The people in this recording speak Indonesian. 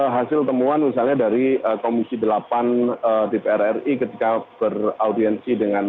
hasil temuan misalnya dari komisi delapan dpr ri ketika beraudiensi dengan